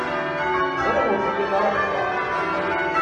Ẓriɣ ur telliḍ ara bxiṛ.